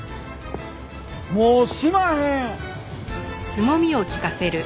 もうしまへん！